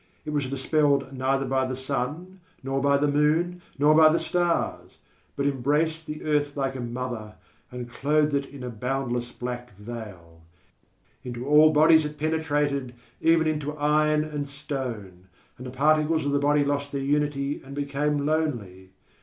It was dispelled neither by the sun, nor by the moon, nor by the stars, but embraced the earth like a mother, and clothed it in a boundless black veil_. _Into all bodies it penetrated, even into iron and stone; and the particles of the body lost their unity and became lonely.